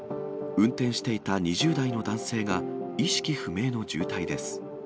運転していた２０代の男性が意識不明の重体です。